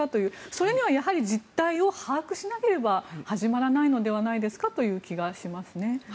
それにはやはり実態を把握しなければ始まらないのではないですかという気がしますね。